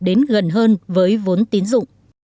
đến gần hơn với vốn tín dụng